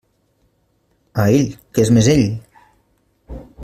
A ell, que és mesell!